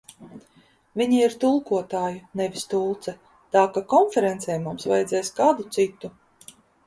Viņa ir tulkotāja, nevis tulce, tā ka konferencei mums vajadzēs kādu citu.